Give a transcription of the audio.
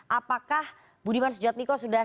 apakah budiman sujadmiko sudah